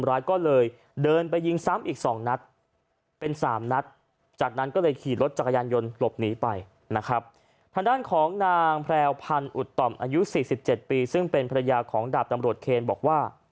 อายุ๔๗ปีซึ่งเป็นภรรยาของดาบตำรวจเคนบอกว่า